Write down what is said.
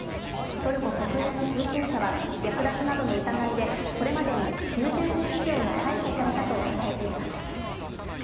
トルコ国営の通信社は略奪などの疑いでこれまでに９０人以上が逮捕されたと伝えています。